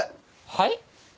はい？